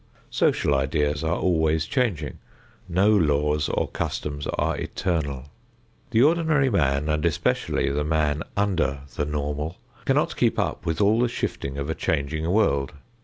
Social ideas are always changing. No laws or customs are eternal. The ordinary man, and especially the man under the normal, cannot keep up with all the shifting of a changing world.